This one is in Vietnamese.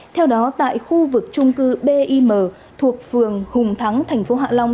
theo đó tại khu vực trung cư bim thuộc phường hùng thắng tp hạ long